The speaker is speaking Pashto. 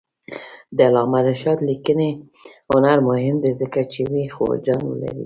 د علامه رشاد لیکنی هنر مهم دی ځکه چې ویښ وجدان لري.